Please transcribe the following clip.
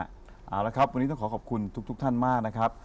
เอาละครับวันนี้ต้องขอขอบคุณทุกท่านมากนะครับ